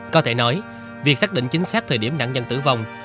có thể nói việc xác định chính xác thời điểm nạn nhân tử vong